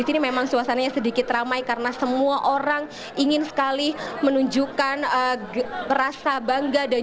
ini memang suasananya sedikit ramai karena semua orang ingin sekali menunjukkan rasa bangga dan